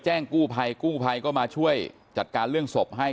กู้ภัยกู้ภัยก็มาช่วยจัดการเรื่องศพให้